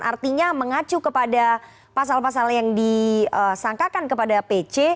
artinya mengacu kepada pasal pasal yang disangkakan kepada pc